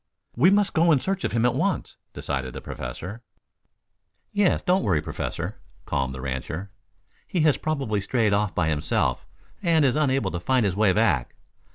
"We must go in search of him at once," decided the Professor. "Yes, don't worry, Professor," calmed the rancher. "He has probably strayed off by himself and is unable to find his way back.